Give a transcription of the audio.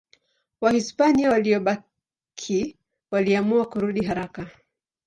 Wahispania waliobaki waliamua kurudi haraka.